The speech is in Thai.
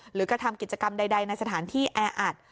กระทำกิจกรรมใดในสถานที่แออัด